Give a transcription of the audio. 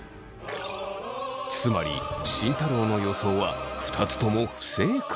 つまり慎太郎の予想は２つとも不正解。